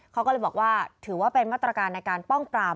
เขาก็เลยบอกว่าถือว่าเป็นมาตรการในการป้องปราม